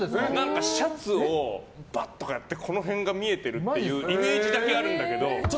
シャツをばっとかやってこの辺が見えてるみたいなイメージだけあるんだけど。